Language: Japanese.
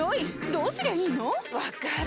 どうすりゃいいの⁉分かる。